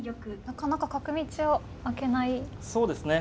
なかなか角道を開けないですね。